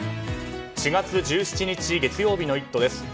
４月１７日月曜日の「イット！」です。